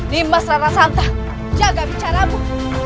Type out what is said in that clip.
dimas rana santan jaga bicaramu